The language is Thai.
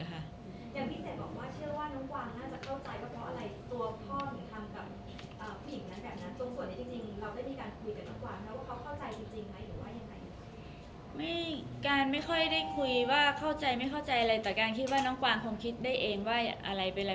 ว่าว่าน้องกวางน่าจะเข้าใจกับอะไรตัวพ่อทำกับผู้หญิงงั้นแบบนั้น